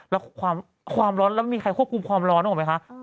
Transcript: แล้วความร้อนแล้วไม่มีใครควบคุมความร้อนนึกออกไหมคะ